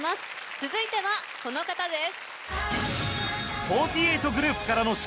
続いてはこの方です。